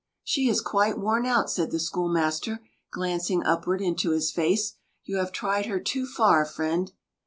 "She is quite worn out," said the schoolmaster, glancing upward into his face. "You have tried her too far, friend."